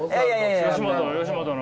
吉本の？